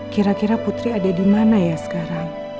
kira kira putri ada dimana ya sekarang